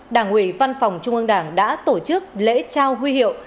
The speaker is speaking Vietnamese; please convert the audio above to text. đảng ủy văn phòng trung ương đảng đã tổ chức lễ trao huy hiệu